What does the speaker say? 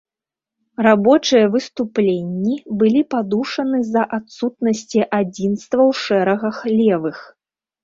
Рабочыя выступленні былі падушаны з-за адсутнасці адзінства ў шэрагах левых.